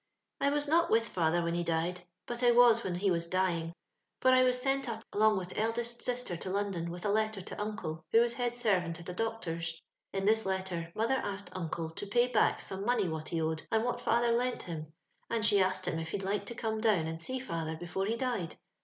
" I was not with father when he died (but I was when he was dying), for I was sent np along with eldest sister to London with a letter to nnde, who was head servant at a doctor's. In this letter, mother asked uncle to pay back some money wot he owed, and wot father lent him, and she asked him if he'd like to come down and see fiskther before he died.